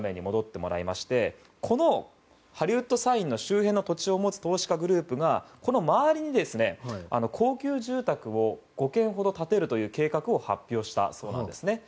このハリウッド・サインの周辺の土地を持つ投資家グループがこの周りに高級住宅を５軒ほど建てる計画を発表したそうなんです。